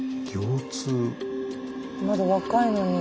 まだ若いのに。